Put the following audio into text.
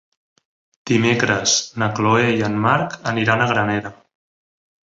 Dimecres na Chloé i en Marc aniran a Granera.